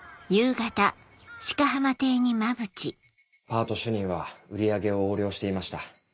パート主任は売り上げを横領していました。